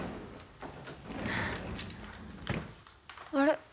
あれ？